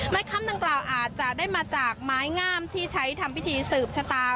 คำดังกล่าวอาจจะได้มาจากไม้งามที่ใช้ทำพิธีสืบชะตา